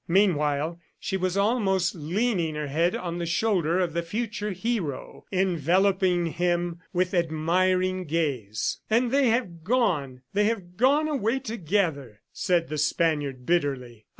Meanwhile she was almost leaning her head on the shoulder of the future hero, enveloping him with admiring gaze. "And they have gone. ... They have gone away together!" said the Spaniard bitterly.